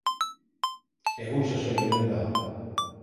Egun sasoi onean dago.